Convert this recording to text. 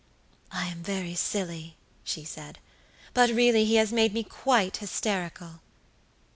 "I am very silly," she said; "but really he has made me quite hysterical."